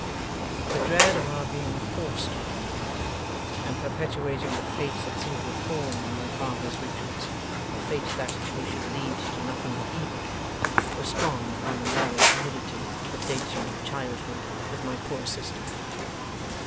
The dread of our being forced on one another, and perpetuating the fate that seemed to have fallen on my father's riches the fate that they should lead to nothing but evil was strong upon the moral timidity that dates from my childhood with my poor sister.